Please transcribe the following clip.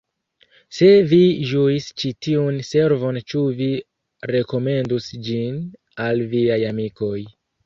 Se vi ĝuis ĉi tiun servon ĉu vi rekomendus ĝin al viaj amikoj!